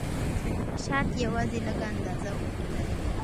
شات یوازې لږه اندازه اوبه لري.